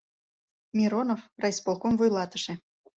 Миронов, райисполком вуйлатыше.